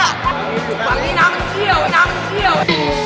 แบบนี้น้าก็เกี่ยวน้าก็เกี่ยว